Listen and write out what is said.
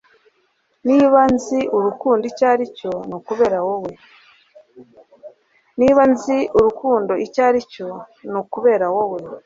niba nzi urukundo icyo aricyo, ni ukubera wowe